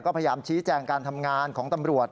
ก็พยายามชี้แจงการทำงานของตำรวจ